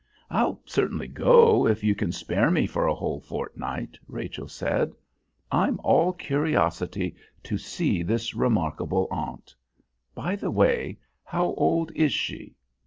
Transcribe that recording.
"I'll certainly go, if you can spare me for a whole fortnight," Rachel said. "I'm all curiosity to see this remarkable aunt. By the way, how old is she?"